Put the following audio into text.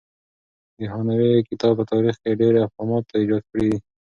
د هانوې کتاب په تاریخ کې ډېر ابهامات ایجاد کړي دي.